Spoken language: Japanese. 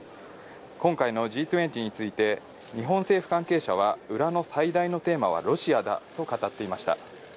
今回のＧ２０について、日本政府関係者は、裏の最大のテーマはロシアだと語っていました。